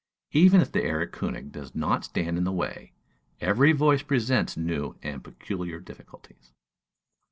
Even if the "Erlkönig" does not stand in the way, every voice presents new and peculiar difficulties.